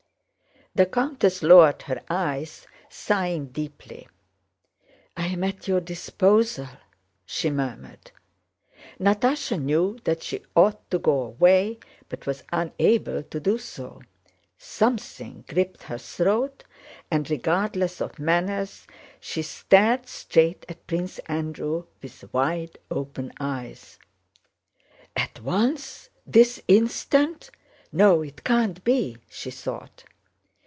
The countess lowered her eyes, sighing deeply. "I am at your disposal," she murmured. Natásha knew that she ought to go away, but was unable to do so: something gripped her throat, and regardless of manners she stared straight at Prince Andrew with wide open eyes. "At once? This instant!... No, it can't be!" she thought.